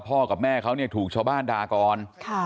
พ่อกับแม่เขาเนี่ยถูกชาวบ้านดากร